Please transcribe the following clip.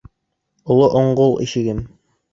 Оло оңғол ишегем.